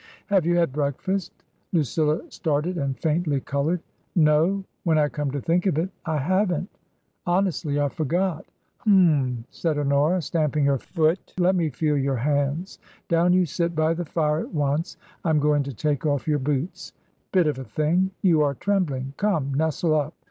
Have you had breakfast ?" Lucilla started and faintly coloured. " No— when I come to think of it, I haven't. Hon estly, I forgot." " H'm !" said Honora, stamping her foot; " let me feel your hands. Down you sit by the fire at once. I am going to take off your boots. Bit of a thing ! You are trembling. Come! nestle up.